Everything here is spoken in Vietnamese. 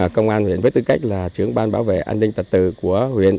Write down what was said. công an huyện với tư cách là trưởng ban bảo vệ an ninh tật tự của huyện